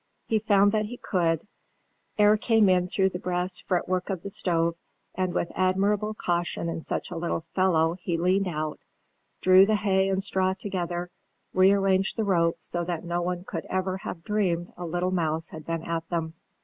He found that he could; air came in through the brass fretwork of the stove; and with admirable caution in such a little fellow he leaned out, drew the hay and straw together, rearranged the ropes, so that no one could ever have dreamed a little mouse had been at them.